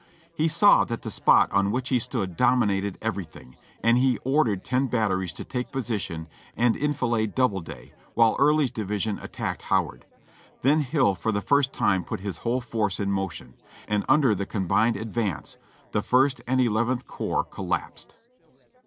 He saw that the spot on which he stood dominated everything, and he ordered ten batteries to take position and enfilade Doubleday, while Early's division attacked Howard. Then Hill for the first time put his whole force in motion ; and under the combined advance, the First and Elev enth corps collapsed.